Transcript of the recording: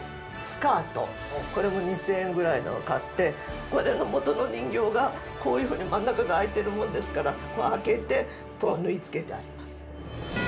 これも２０００円ぐらいのを買ってこれの元の人形がこういうふうに真ん中があいてるもんですからこうあけてこう縫い付けてあります。